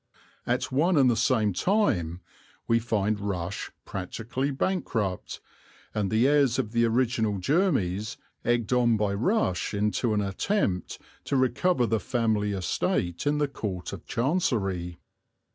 At one and the same time we find Rush practically bankrupt, and the heirs of the original Jermys egged on by Rush into an attempt to recover the family estate in the Court of Chancery.